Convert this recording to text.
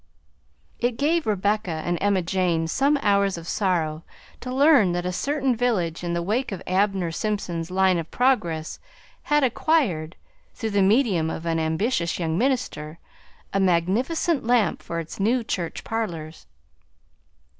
It gave Rebecca and Emma Jane some hours of sorrow to learn that a certain village in the wake of Abner Simpson's line of progress had acquired, through the medium of an ambitious young minister, a magnificent lamp for its new church parlors.